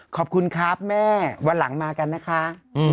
ขอบคุณครับแม่วันหลังมากันนะคะ